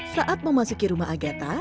saat memasuki rumah agatha